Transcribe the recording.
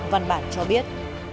văn bản cho biết